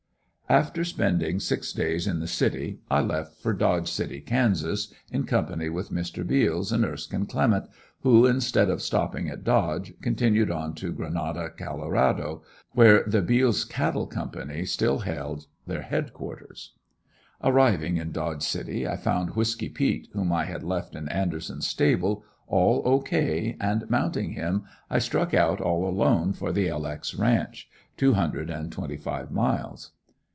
After spending six days in the city I left for Dodge City, Kansas, in company with Mr. Beals and Erskine Clement, who, instead of stopping at Dodge, continued on to Grenada, Colorado, where the "Beals Cattle Co." still held their headquarters. Arriving in Dodge City, I found Whiskey peet, whom I had left in Anderson's stable, all O. K., and mounting him I struck out all alone for the "L. X." ranch, two hundred and twenty five miles.